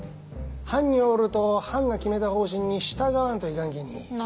藩におると藩が決めた方針に従わんといかんきに。